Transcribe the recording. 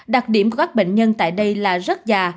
đặc điểm của các bệnh nhân tại đây là rất già